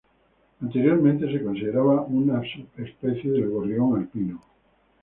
Anteriormente se consideraba una subespecie del gorrión alpino.